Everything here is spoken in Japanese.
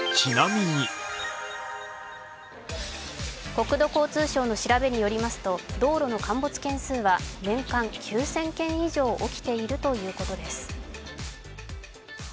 国土交通省の調べによると、道路の陥没件数は年間９０００件以上起きているということです。